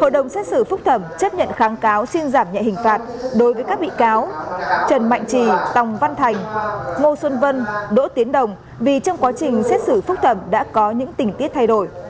hội đồng xét xử phúc thẩm chấp nhận kháng cáo xin giảm nhẹ hình phạt đối với các bị cáo trần mạnh trì tòng văn thành ngô xuân vân đỗ tiến đồng vì trong quá trình xét xử phúc thẩm đã có những tình tiết thay đổi